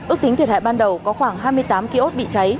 ước tính thiệt hại ban đầu có khoảng hai mươi tám kiosk bị cháy